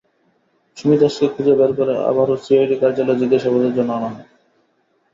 সুমি দাশকে খুঁজে বের করে আবারও সিআইডি কার্যালয়ে জিজ্ঞাসাবাদের জন্য আনা হয়।